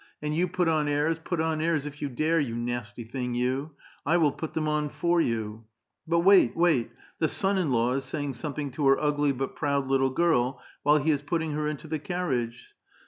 And you put on airs, put on ajrs if you dare, 3'ou nasty thing, you ! I will i)ut them on for you !" But wait, wait ; the son in law is saying something to her ugly but proud little girl, while he is putting her into the carriage.